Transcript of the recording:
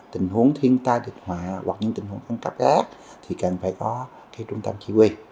tình huống thiên tai địch họa hoặc những tình huống khẳng cấp khác thì cần phải có trung tâm chỉ huy